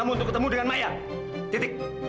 droit sudah linaik